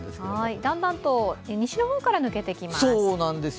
だんだんと西の方から抜けていきます。